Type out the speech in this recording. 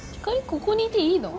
ここにいていいの？